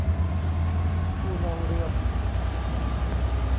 ผู้เล่าเรื่อง